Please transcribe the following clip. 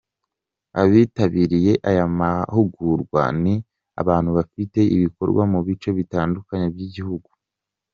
Abitabiriye aya mahugurwa ni abantu bafite ibikorwa mu bice bitandukanye by’igihugu.